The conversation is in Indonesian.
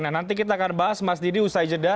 nah nanti kita akan bahas mas didi usai jeda